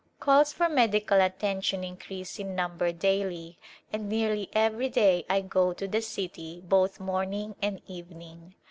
Calls for medical attention increase in number daily and nearly every day I go to the city both morning and evening.